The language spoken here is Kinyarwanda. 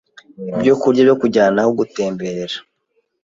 Ibyokurya byo Kujyana aho Gutemberera